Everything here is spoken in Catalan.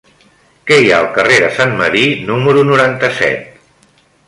Què hi ha al carrer de Sant Medir número noranta-set?